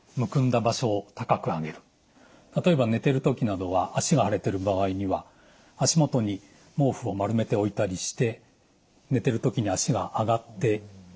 例えば寝てる時などは脚が腫れてる場合には足元に毛布を丸めて置いたりして寝てる時に脚が上がっていく。